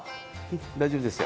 大丈夫ですよ。